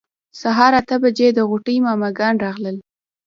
سهار اته بجې د غوټۍ ماما ګان راغلل.